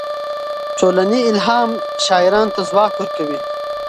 ټولنې الهام شاعرانو ته ځواک ورکوي.